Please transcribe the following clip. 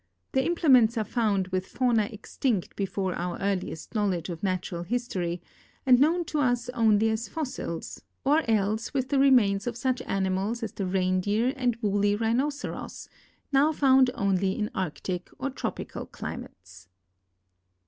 Their im plements are found Avith fauna extinct before our earliest knowl edge of natural history and known to us only as fossils, or else with the remains of such animals as the reindeer and woolly rhinoceros, now found only in arctic or tropical climates.